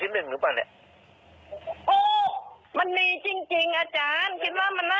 เสียงสุดสุดแล้วแสดงว่าใช่แล้วสิมันมีจริงจริงอาจารย์คิดว่ามันน่ะ